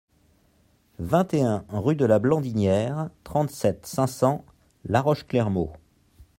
vingt et un rue de la Blandinière, trente-sept, cinq cents, La Roche-Clermault